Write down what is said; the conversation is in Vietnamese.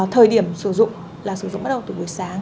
thời điểm sử dụng là sử dụng bắt đầu từ buổi sáng